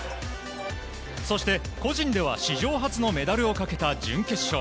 そして、個人では史上初のメダルをかけた準決勝。